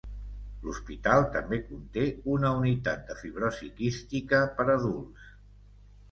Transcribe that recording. L'hospital també conté una Unitat de Fibrosi Quística per Adults.